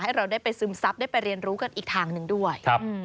เราได้ไปซึมซับได้ไปเรียนรู้กันอีกทางหนึ่งด้วย